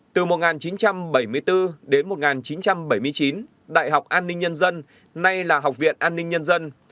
từ một nghìn chín trăm bảy mươi bốn đến một nghìn chín trăm bảy mươi chín đại học an ninh nhân dân nay là học viện an ninh nhân dân